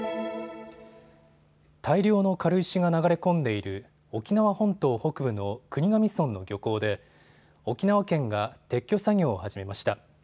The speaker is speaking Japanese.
大量の軽石が流れ込んでいる沖縄本島北部の国頭村の漁港で沖縄県が撤去作業を始めました。